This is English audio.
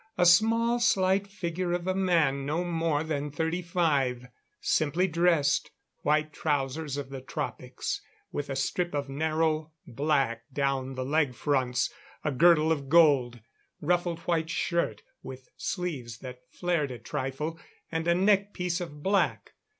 A small, slight figure of a man, no more than thirty five. Simply dressed; white trousers of the tropics, with a strip of narrow black down the leg fronts; a girdle of gold; ruffled white shirt, with sleeves that flared a trifle, and a neck piece of black.